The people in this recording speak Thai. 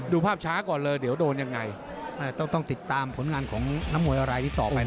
ภาพช้าก่อนเลยเดี๋ยวโดนยังไงต้องติดตามผลงานของนักมวยอะไรที่ต่อไป